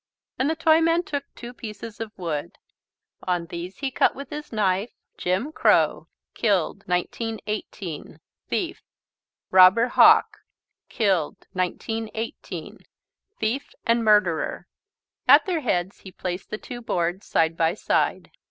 And the Toyman took two pieces of wood. On these he cut with his knife: JIM CROW KILLED 1918 THIEF ROBBER HAWK KILLED 1918 THIEF AND MURDERER At their heads he placed the two boards side by side.